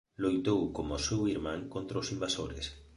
Loitou como o seu irmán contra os invasores.